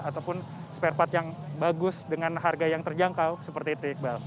ataupun spare part yang bagus dengan harga yang terjangkau seperti itu iqbal